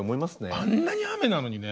あんなに雨なのにね。